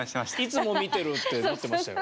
いつも見てるって言ってましたよ。